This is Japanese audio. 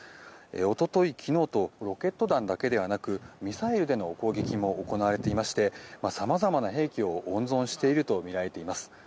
一昨日、昨日とロケット弾だけではなくミサイルでの攻撃も行われていましてさまざまな兵器を温存しているとみられています。